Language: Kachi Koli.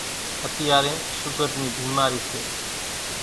اتيارين شُگر نِي ڀيمارِي سي۔